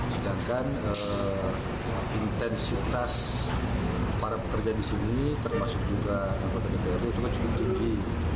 sedangkan intensitas para pekerja di sini termasuk juga anggota dprd juga cukup tinggi